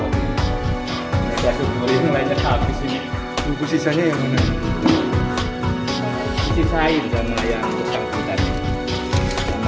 disisain sama yang